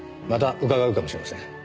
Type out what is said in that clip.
また伺うかもしれません。